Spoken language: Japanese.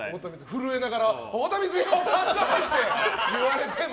震えながら太田光代、万歳！って言われても。